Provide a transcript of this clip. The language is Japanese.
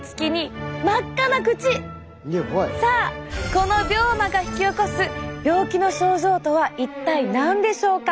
この病魔が引き起こす病気の症状とは一体何でしょうか？